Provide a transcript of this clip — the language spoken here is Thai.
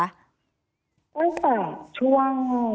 ตั้งแต่ช่วง